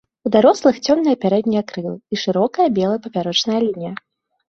У дарослых цёмныя пярэднія крылы і шырокая белая папярочная лінія.